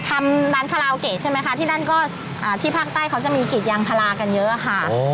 ทำร้านคาราโอเกะใช่ไหมคะที่นั่นก็ที่ภาคใต้เขาจะมีกรีดยางพารากันเยอะค่ะ